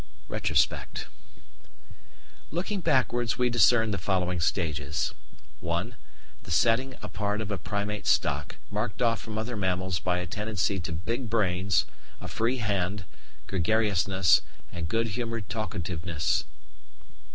Retrospect Looking backwards, we discern the following stages: (1) The setting apart of a Primate stock, marked off from other mammals by a tendency to big brains, a free hand, gregariousness, and good humoured talkativeness.